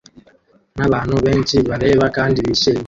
nabantu benshi bareba kandi bishimye